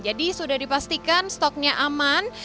jadi sudah dipastikan stoknya aman